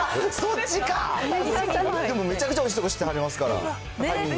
でもめちゃくちゃおいしい所、知ってはりますから。